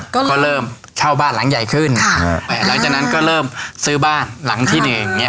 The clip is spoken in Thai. ครับก็เริ่มเช่าบ้านหลังใหญ่ขึ้นค่ะแล้วจากนั้นก็เริ่มซื้อบ้านหลังที่หนึ่งเนี้ย